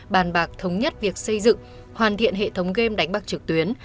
bàn bạc thống nhất việc xây dựng hoàn thiện hệ thống game đánh bạc trực tuyến